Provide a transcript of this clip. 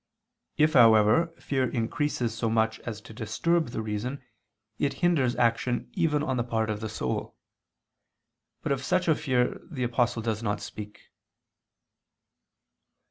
If, however, fear increases so much as to disturb the reason, it hinders action even on the part of the soul. But of such a fear the Apostle does not speak.